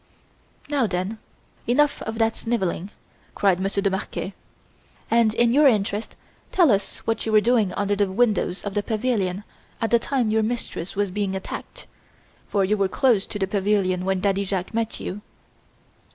"Now then, enough of that sniveling," cried Monsieur de Marquet; "and, in your interest, tell us what you were doing under the windows of the pavilion at the time your mistress was being attacked; for you were close to the pavilion when Daddy Jacques met you."